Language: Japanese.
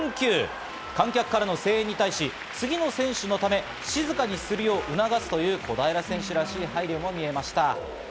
観客からの声援に対し、次の選手のため、静かにするよう促すという小平選手らしい配慮も見えました。